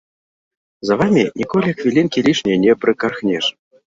За вамі ніколі хвілінкі лішняй не прыкархнеш.